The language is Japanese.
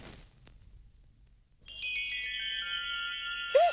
えっ！